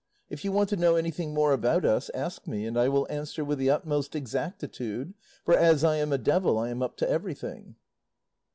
If you want to know anything more about us, ask me and I will answer with the utmost exactitude, for as I am a devil I am up to everything."